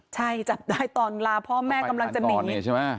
ใช่จับได้ตอนลาพ่อแม่กำลังจะหนีใช่ไหม